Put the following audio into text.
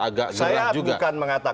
agak jelas juga pemerintah maupun